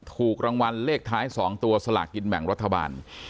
ถูกรางวัลเลขท้าย๒ตัวสลากกินแบ่งรัฐบาล